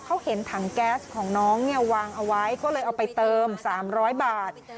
เขาเห็นถังแก๊สของน้องเนี่ยวางเอาไว้ก็เลยเอาไปเติม๓๐๐บาท